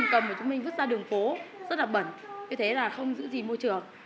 các mình vứt ra đường phố rất là bẩn như thế là không giữ gì môi trường